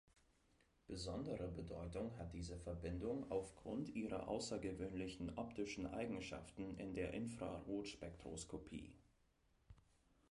Besondere Bedeutung hat diese Verbindung aufgrund ihrer außergewöhnlichen optischen Eigenschaften in der Infrarotspektroskopie.